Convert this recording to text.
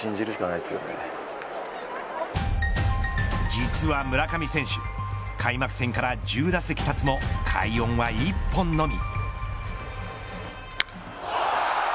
実は村上選手開幕戦から１０打席立つも快音は１本のみ。